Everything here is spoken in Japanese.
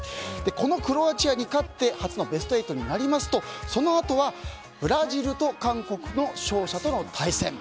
このクロアチアに勝って初のベスト８になりますとそのあとはブラジルと韓国の勝者との対戦。